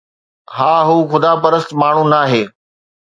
ها، هو خدا پرست ماڻهو ناهي